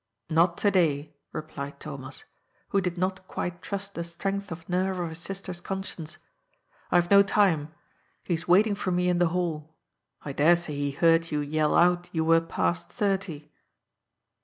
" Not to day," replied Thomas, who did not quite trust 164 GOD'S POOL. the strength of nerve of his sister's conscience. ^ IVe no time. He's waiting for me in the hall. I dare say he heard you yell out you were past thirty."